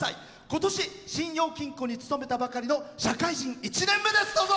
ことし信用金庫に勤めたばかりの社会人１年目です。